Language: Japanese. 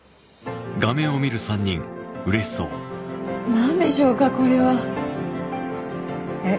なんでしょうかこれはえっ？